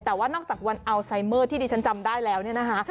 แต่ว่านอกจากวันอัลไซเมอร์ที่ดิฉันจำได้แล้วเนี่ยนะคะ